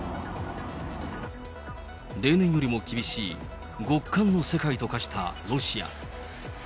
例年よりも厳しい極寒の世界と化したロシア。